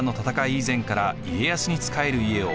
以前から家康に仕える家を「譜代」